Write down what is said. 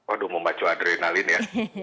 aduh mau macu adrenalin ya